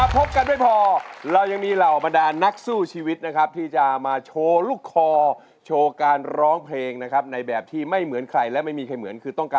เป็นชีวิตที่จะมาโชว์ลูกคอโชวการร้องเพลง